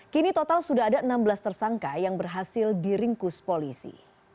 kini total sudah ada enam belas tersangka yang berhasil diringkus polisi